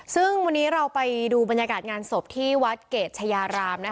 ซึ่งวันนี้เราไปดูบรรยากาศงานศพที่วัดเกรดชายาราม